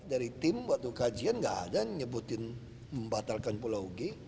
dari tim waktu kajian gak ada yang nyebutin membatalkan pulau g